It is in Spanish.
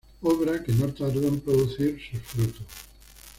Obra que no tardó en producir sus frutos.